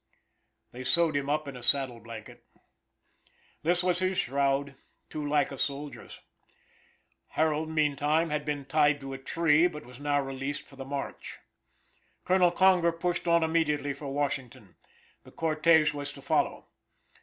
They sewed him up in a saddle blanket. This was his shroud; too like a soldier's. Harold, meantime, had been tied to a tree, but was now released for the march. Colonel Conger pushed on immediately for Washington; the cortege was to follow.